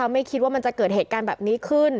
ไม่คิดว่ามันจะเกิดเหตุการณ์แบบนี้ขึ้น